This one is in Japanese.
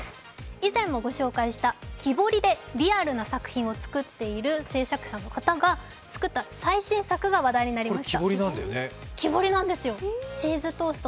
以前もご紹介した木彫りで作品を出していらっしゃる制作者の方が作った最新作が話題になりました。